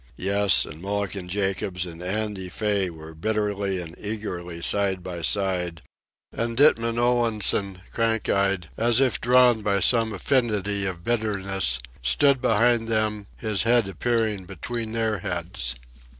Yes, and Mulligan Jacobs and Andy Fay were bitterly and eagerly side by side, and Ditman Olansen, crank eyed, as if drawn by some affinity of bitterness, stood behind them, his head appearing between their heads.